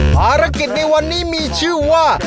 ภารกิจในวันนี้มีชื่อว่า